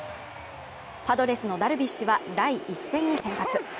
パドレスのダルビッシュは第１戦に先発。